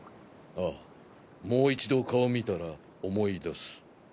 ああもう一度顔を見たら思い出す。